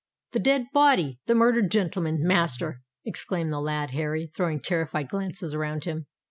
"The dead body—the murdered gentleman, master!" exclaimed the lad Harry, throwing terrified glances around him.